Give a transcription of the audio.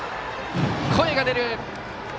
声が出る。